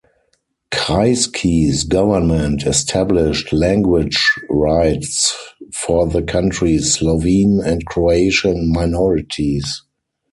Kreisky's government established language rights for the country's Slovene and Croatian minorities.